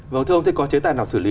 vâng thưa ông có chế tài nào xử lý